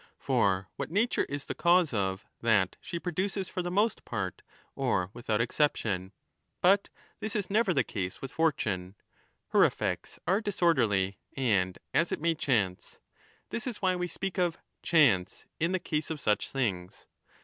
For what nature is the cause of, that she produces for the most part or without exception,' but this is never the case with fortune — her effects are dis 1207* orderly and as it may chance ; this is why we speak of ' chance ' in the case of such things.